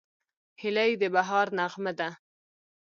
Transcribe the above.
هیلۍ د بهار نغمه ده